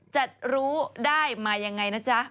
จะรู้ได้มายังไงนะจ๊ะ